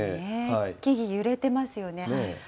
木々、揺れてますよね。